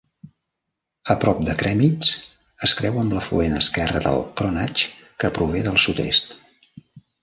A prop de Kremitz es creua amb l"afluent esquerre del "Kronach" que prové del sud-est.